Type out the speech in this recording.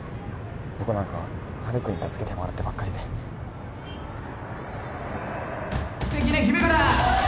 僕なんかハルくんに助けてもらってばっかりで素敵な姫からおい！